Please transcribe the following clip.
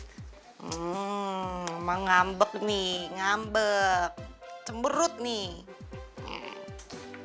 ck mama ngambek nih ngambek cemberut nih